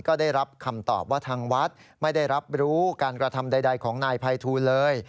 ก็ได้รับคำตอบว่าทางวัดไม่ได้รับรู้การกระทำใดของนายภัยทูลเลย